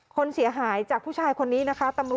คนเสียหายจากผู้ชายคนนี้นะคะ